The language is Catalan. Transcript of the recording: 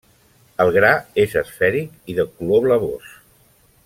El gra és esfèric i de color blavós.